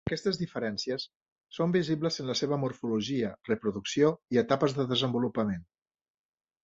Aquestes diferències són visibles en la seva morfologia, reproducció i etapes de desenvolupament.